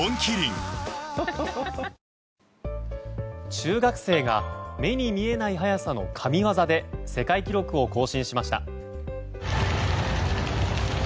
中学生が目に見えない速さの神業で世界記録を更新しました。